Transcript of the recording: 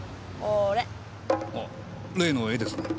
あ例の絵ですね。